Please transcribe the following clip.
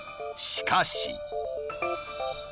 しかし。